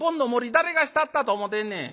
誰がしたったと思てんねん。